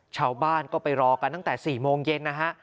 ชาวบ้านก็ไปรอกันตั้งแต่๔โมงเย็นนะฮะ